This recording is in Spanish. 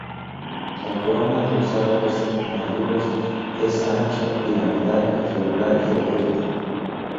La corona de los árboles maduros es ancha, piramidal irregular y abierto.